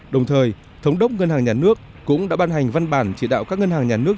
đồng thời thống đốc ngân hàng nhà nước cũng đã ban hành văn bản chỉ đạo các ngân hàng nhà nước